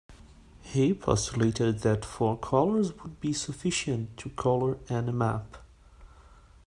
He postulated that four colors would be sufficient to color any map.